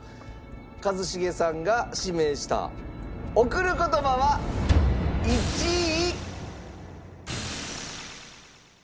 一茂さんが指名した『贈る言葉』は１位。